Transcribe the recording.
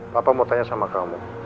pak apa mau tanya sama kamu